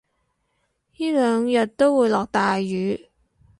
依兩日都會落大雨